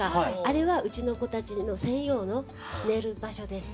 あれはうちの子たちの専用の寝る場所です。